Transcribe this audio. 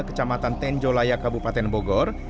kecamatan tenjolaya kabupaten bogor